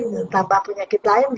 ditambah penyakit lain